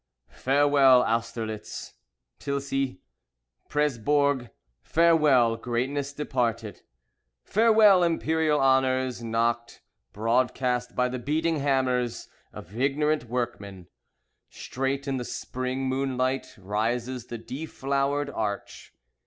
Farewell, Austerlitz, Tilsit, Presbourg; Farewell, greatness departed. Farewell, Imperial honours, knocked broadcast by the beating hammers of ignorant workmen. Straight, in the Spring moonlight, Rises the deflowered arch.